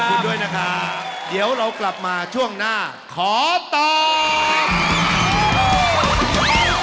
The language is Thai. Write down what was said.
คืนด้วยนะครับเดี๋ยวเรากลับมาช่วงหน้าขอตอบ